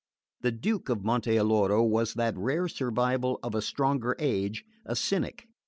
The Duke of Monte Alloro was that rare survival of a stronger age, a cynic.